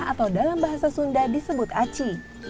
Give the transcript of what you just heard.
atau dalam bahasa sunda disebut aci